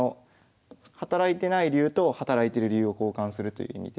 働いてない竜と働いてる竜を交換するという意味で。